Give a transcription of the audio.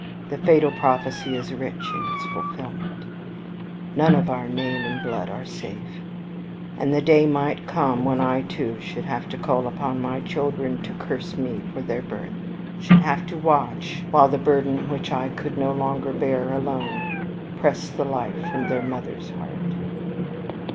The fatal prophecy is rich in its fulfillment; none of our name and blood are safe; and the day might come when I too should have to call upon my children to curse me for their birth, should have to watch while the burden which I could no longer bear alone pressed the life from their mother's heart."